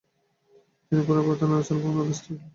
তিনি পুনরায় ভারতের নানা স্থানে ভ্রমনে ব্যস্ত রইলেন।